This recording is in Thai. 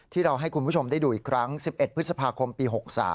ที่เราให้คุณผู้ชมได้ดูอีกครั้ง๑๑พฤษภาคมปี๖๓